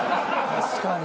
確かに。